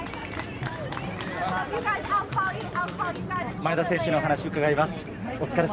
前田選手にお話を伺います。